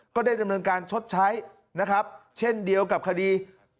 ก็ได้ดำเนินการชดใช้นะครับเช่นเดียวกับคดี